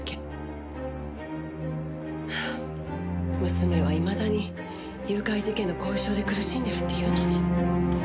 娘はいまだに誘拐事件の後遺症で苦しんでるっていうのに。